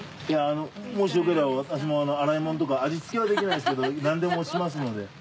もしよければ私も洗い物とか味付けはできないですけど何でもしますので。